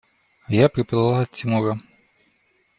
Я приплыла от Тимура.